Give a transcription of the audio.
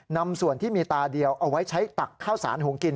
นำส่วนที่มีตาเดียวเอาไว้ใช้ตักข้าวสารหงกิน